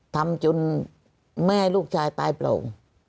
ทำจนแม่ลูกชายปลายโปร่ง